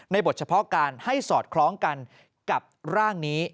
บทเฉพาะการให้สอดคล้องกันกับร่างนี้